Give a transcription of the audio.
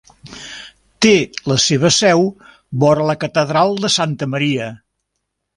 Té la seva seu vora la catedral de Santa Maria.